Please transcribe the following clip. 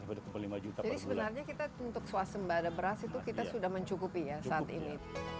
jadi sebenarnya kita untuk suasana ada beras itu kita sudah mencukupi ya saat ini